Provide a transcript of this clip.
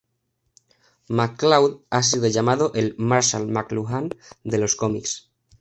McCloud ha sido llamado el "Marshall McLuhan de los cómics".